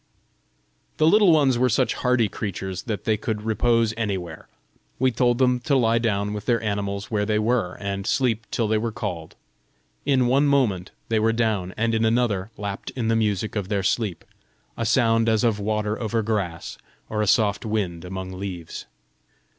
The Little Ones were such hardy creatures that they could repose anywhere: we told them to lie down with their animals where they were, and sleep till they were called. In one moment they were down, and in another lapt in the music of their sleep, a sound as of water over grass, or a soft wind among leaves.